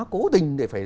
cố tình để phải